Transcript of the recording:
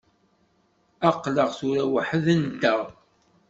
Aql-aɣ tura weḥd-nteɣ.